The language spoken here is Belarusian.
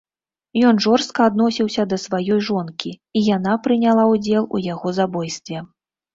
Ён жорстка адносіўся да сваёй жонкі, і яна прыняла ўдзел у яго забойстве.